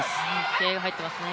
気合いが入っていますね。